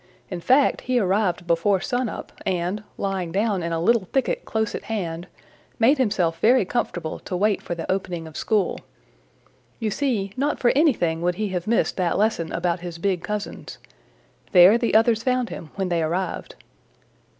In fact, he arrived before sun up and, lying down in a little thicket close at hand, made himself very comfortable to wait for the opening of school. You see, not for anything would he have missed that lesson about his big cousins. There the others found him when they arrived.